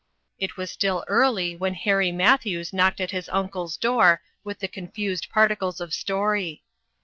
It was still early when Harry Matthews knocked at his uncle's door with the confused particles of story.